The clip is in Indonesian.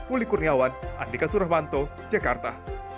uli kurniawan andika suramanto jakarta